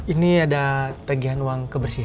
ini ada tagihan uang kebersihan